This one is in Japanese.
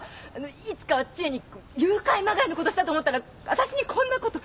いつかは知恵に誘拐まがいのことしたと思ったら私にこんなこと。